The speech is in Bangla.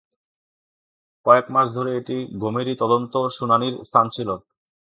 কয়েক মাস ধরে এটি গোমেরী তদন্ত শুনানীর স্থান ছিল।